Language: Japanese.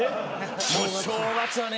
正月はね